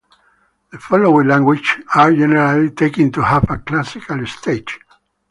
The following languages are generally taken to have a "classical" stage.